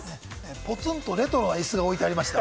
ポツンとレトロな椅子が置いてありました。